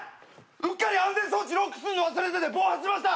うっかり安全装置ロックすんの忘れてて暴発しました！